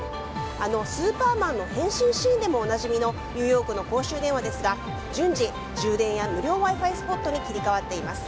あの「スーパーマン」の変身シーンでもおなじみのニューヨークの公衆電話ですが順次、充電や無料Ｗｉ‐Ｆｉスポットに切り替わっています。